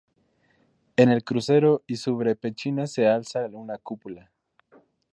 En el crucero y sobre pechinas se alza una cúpula.